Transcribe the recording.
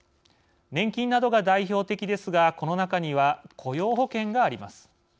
年金などが代表的ですがこの中には雇用保険があります。